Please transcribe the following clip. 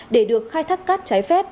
để được khai thác cắt trái phép